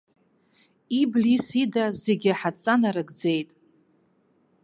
Иблис ида зегьы ҳадҵа нарыгӡеит.